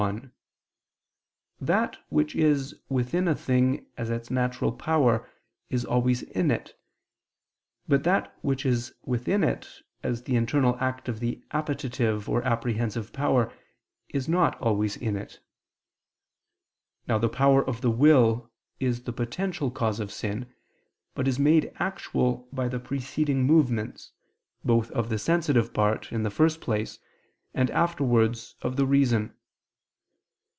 1: That which is within a thing as its natural power, is always in it: but that which is within it, as the internal act of the appetitive or apprehensive power, is not always in it. Now the power of the will is the potential cause of sin, but is made actual by the preceding movements, both of the sensitive part, in the first place, and afterwards, of the reason.